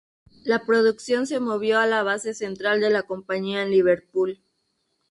La producción se movió a la base central de la compañía en Liverpool.